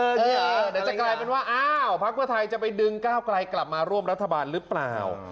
เดี๋ยวจะกลายเป็นว่าอ้าวพักเพื่อไทยจะไปดึงก้าวไกลกลับมาร่วมรัฐบาลหรือเปล่า